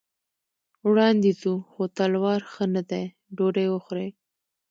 وړاندې ځو، خو تلوار ښه نه دی، ډوډۍ خورئ.